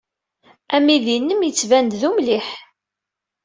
Amidi-nnem yettban-d d umliḥ.